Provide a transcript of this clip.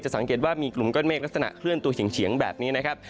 สังเกตว่ามีกลุ่มก้อนเมฆลักษณะเคลื่อนตัวเฉียงแบบนี้นะครับ